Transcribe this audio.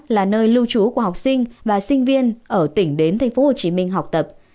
là nơi lưu trú của học sinh và sinh viên ở tỉnh đến tp hcm học tập